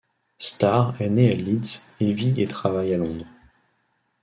Starr est née à Leeds et vit et travaille à Londres.